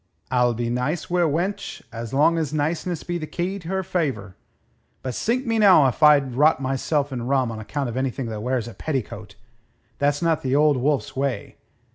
"I'll be nice wi' a wench as long as niceness be the key to her favour. But sink me now if I'd rot myself in rum on account of anything that wears a petticoat. That's not the Old Wolf's way.